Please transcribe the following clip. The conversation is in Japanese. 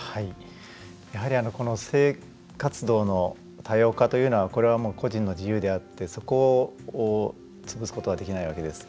やはり性活動の多様化というのはこれは個人の自由であってそこを潰すことはできないわけです。